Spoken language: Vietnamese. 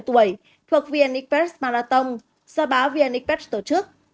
thuộc vnxpets marathon do báo vnxpets tổ chức